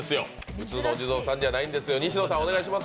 普通のお地蔵さんじゃないんです。